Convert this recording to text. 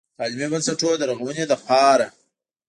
د تعليمي بنسټونو د رغونې دپاره